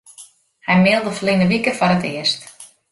Hy mailde ferline wike foar it earst.